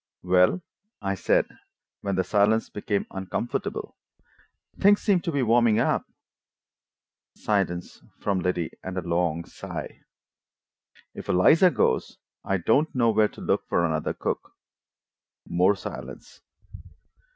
"Well," I said, when the silence became uncomfortable, "things seem to be warming up." Silence from Liddy, and a long sigh. "If Eliza goes, I don't know where to look for another cook." More silence.